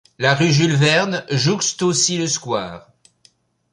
La rue Jules-Verne jouxte aussi le square.